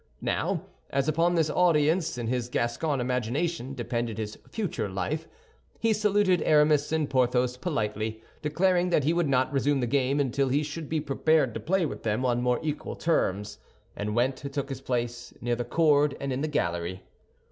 Now, as upon this audience, in his Gascon imagination, depended his future life, he saluted Aramis and Porthos politely, declaring that he would not resume the game until he should be prepared to play with them on more equal terms, and went and took his place near the cord and in the gallery.